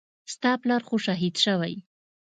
ستا پلار خو شهيد سوى.